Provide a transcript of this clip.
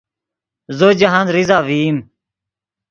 زو جاہند ریزہ ڤئیم